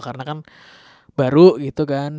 karena kan baru gitu kan